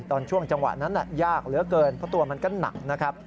ช่วงจังหวะนั้นยากเหลือเกินเพราะตัวมันก็หนักนะครับ